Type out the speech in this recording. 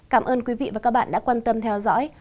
cảm ơn quý vị và các bạn đã quan tâm theo dõi